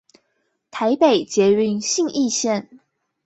台北捷運信義線